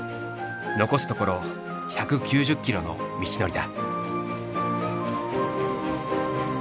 残すところ１９０キロの道のりだ。